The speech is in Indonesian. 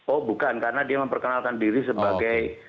oh bukan karena dia memperkenalkan diri sebagai